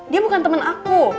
dia bukan temen aku